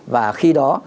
và khi đó